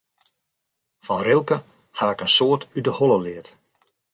Fan Rilke haw ik in soad út de holle leard.